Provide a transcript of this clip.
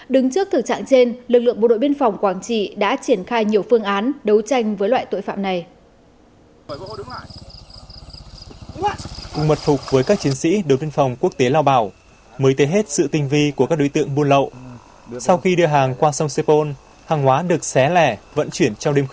đứng trước thực trạng trên lực lượng bộ đội biên phòng quảng trị đã triển khai nhiều phương án đấu tranh với loại tội phạm này